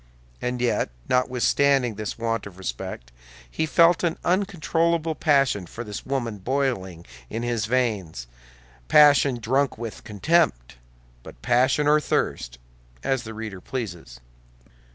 And yet, notwithstanding this want of respect, he felt an uncontrollable passion for this woman boiling in his veins—passion drunk with contempt; but passion or thirst, as the reader pleases.